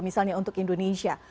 misalnya untuk indonesia